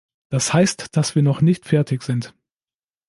Das heißt, dass wir noch nicht fertig sind.